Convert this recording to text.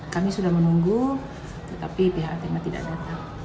kami sudah menunggu tetapi pihak tema tidak datang